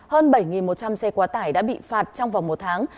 hơn bảy một trăm linh xe quá tải đã bị phạt trong vòng một tháng